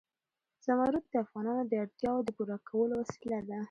زمرد د افغانانو د اړتیاوو د پوره کولو وسیله ده.